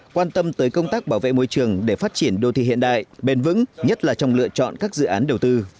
quan tâm tới công tác bảo vệ môi trường để phát triển đô thị hiện đại bền vững nhất là trong lựa chọn các dự án đầu tư